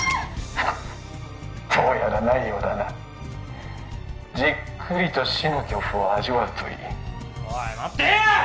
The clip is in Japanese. フッどうやらないようだなじっくりと死の恐怖を味わうといいおい待てよ！